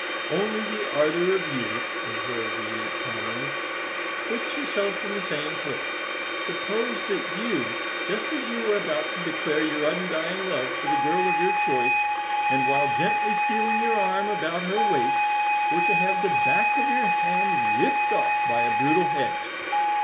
"Only the ardor of youth," observed the Idiot, calmly. "Put yourself in the same place. Suppose that you, just as you were about to declare your undying love for the girl of your choice, and while gently stealing your arm about her waist, were to have the back of your hand ripped off by a brutal hedge?"